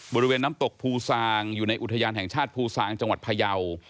บริเวณน้ำตกภูซางอยู่ในอุทยานแห่งชาติภูซางจังหวัดพยาว